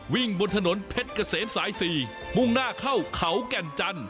วิ่งบนถนนเพชรเกษมสาย๔มุ่งหน้าเข้าเขาแก่นจันท